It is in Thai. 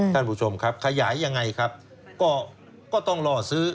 ท่านผู้ชมครับขยายยังไงครับก็ต้องรอซื้อ